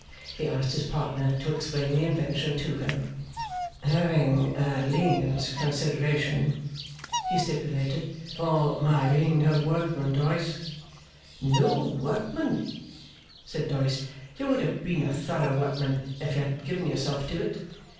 He asked his partner to explain the invention to him; 'having a lenient consideration,' he stipulated, 'for my being no workman, Doyce.' 'No workman?' said Doyce. 'You would have been a thorough workman if you had given yourself to it.